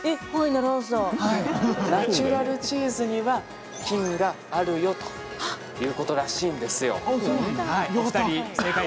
チュラルチーズには菌があるよということらしいんですよ。